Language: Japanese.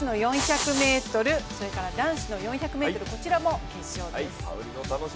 それから男子の４００ｍ、こちらも決勝です。